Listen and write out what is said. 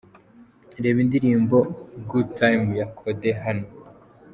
Reba indirimbo ’Good Time’ ya Kode hano: .